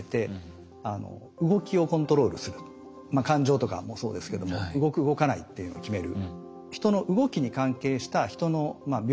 感情とかもそうですけども動く動かないっていうのを決める。